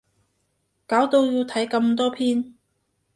搞到要睇咁多篇